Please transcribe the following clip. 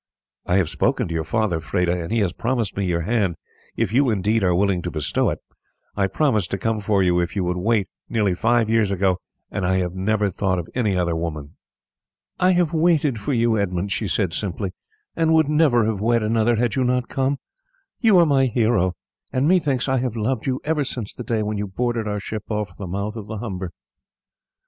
"I have spoken to your father, Freda; and he has promised me your hand if you, indeed, are willing to bestow it. I promised to come for you if you would wait, nearly five years ago, and I have never thought of any other woman." "I have waited for you, Edmund," she said simply, "and would never have wed another had you not come. You are my hero, and methinks I have loved you ever since the day when you boarded our ship off the mouth of the Humber."